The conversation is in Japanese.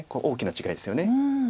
大きな違いですよね。